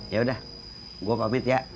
yaudah gue pamit ya